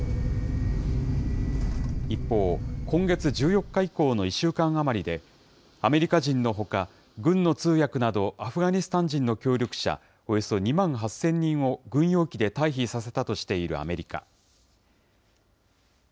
一方、今月１４日以降の１週間余りでアメリカ人のほか、軍の通訳など、アフガニスタン人の協力者およそ２万８０００人を軍用機で退避させたとしているアメリカ。